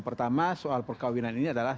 pertama soal perkawinan ini adalah